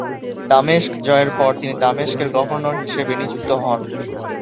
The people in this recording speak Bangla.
দামেস্ক জয়ের পর তিনি দামেস্কের গভর্নর হিসেবে নিযুক্ত হন।